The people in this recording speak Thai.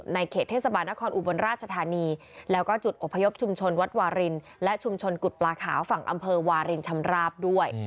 เขตเทศบาลนครอุบลราชธานีแล้วก็จุดอพยพชุมชนวัดวารินและชุมชนกุฎปลาขาวฝั่งอำเภอวารินชำราบด้วย